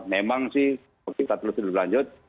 memang sih kita perlu berlanjut